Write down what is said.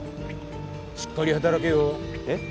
しっかり働けよ。えっ？